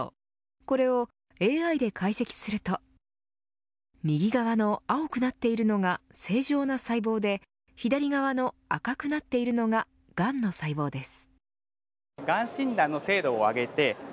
これをＡＩで解析すると右側の青くなっているのが正常な細胞で左側の赤くなっているのががんの細胞です。